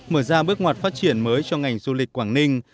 mở ra bước ngoặt phát triển mới cho ngành du lịch quảng ninh